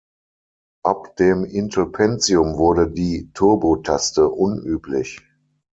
Ab dem Intel Pentium wurde die Turbo-Taste unüblich.